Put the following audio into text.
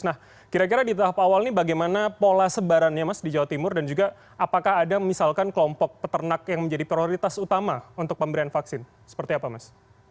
nah kira kira di tahap awal ini bagaimana pola sebarannya mas di jawa timur dan juga apakah ada misalkan kelompok peternak yang menjadi prioritas utama untuk pemberian vaksin seperti apa mas